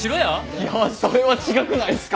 いやそれは違くないっすか？